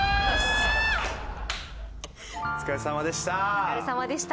お疲れさまでした。